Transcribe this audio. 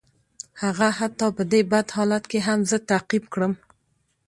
هغه حتی په دې بد حالت کې هم زه تعقیب کړم